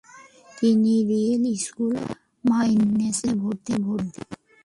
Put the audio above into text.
তিনি royal school of মাইনসে ভর্তি হন।